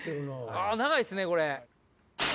あ長いっすねこれ。